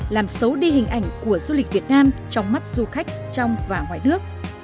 làm xấu đi hình ảnh của du lịch việt nam trong mắt du khách trong và ngoài nước